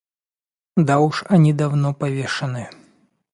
Да уж они давно повешены.